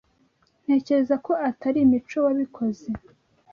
Ntekereza ko atari Mico wabikoze